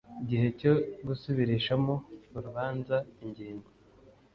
gihe cyo gusubirishamo urubanza ingingo